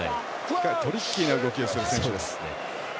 トリッキーな動きをする選手です。